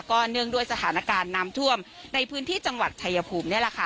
เนื่องด้วยสถานการณ์น้ำท่วมในพื้นที่จังหวัดชายภูมินี่แหละค่ะ